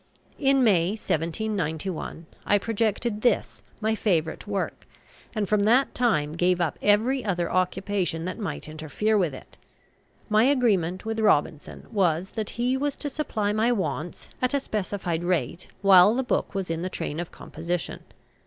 In May, 1791, I projected this, my favourite work, and from that time gave up every other occupation that might interfere with it. My agreement with Robinson was that he was to supply my wants at a specified rate while the book was in the train of composition.